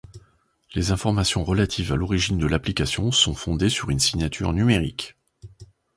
Les informations relatives à l'origine de l'application sont fondées sur une signature numérique.